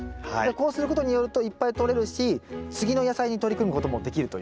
こうすることによるといっぱいとれるし次の野菜に取り組むこともできるという。